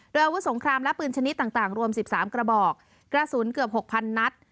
โดยอาวุธสงครามและปืนชนิดต่างรวม๑๓กระบอกกระสุนเกือบ๖๐๐นัด